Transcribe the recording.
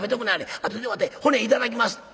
あとでわて骨頂きます」。